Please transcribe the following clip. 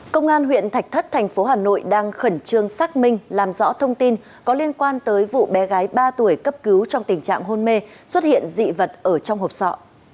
công an huyện thạch thất thành phố hà nội đang khẩn trương xác minh làm rõ thông tin có liên quan tới vụ bé gái ba tuổi cấp cứu trong tình trạng hôn mê xuất hiện dị vật ở trong hộp sọ